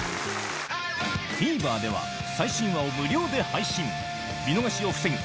ＴＶｅｒでは最新話を無料で配信見逃しを防ぐ